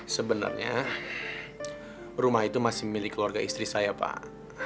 sebenarnya rumah itu masih milik keluarga istri saya pak